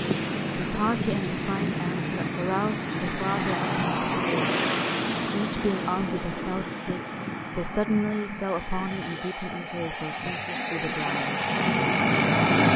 This haughty and defiant answer aroused the father and son to fury, and, each being armed with a stout stick, they suddenly fell upon him and beat him until he fell senseless to the ground.